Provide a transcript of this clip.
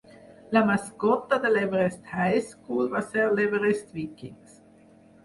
La mascota de l'Everest High School va ser l'Everest Vikings.